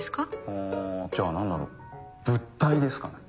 はぁじゃあ何だろ物体ですかね。